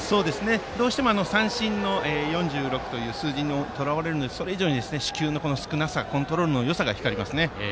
どうしても三振の４６という数字にとらわれるのにそれ以上に四球の少なさコントロールのよさが光りますね。